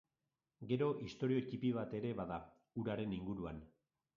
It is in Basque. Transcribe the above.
Gero, istorio ttipi bat ere bada, uraren inguruan.